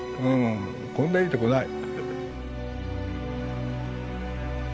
こんないいとこない。